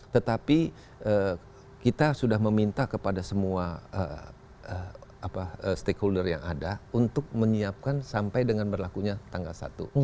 tetapi kita sudah meminta kepada semua stakeholder yang ada untuk menyiapkan sampai dengan berlakunya tanggal satu